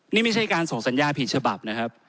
นี่ไม่ใช่การส่งสัญญาผิดฉบับนะครับ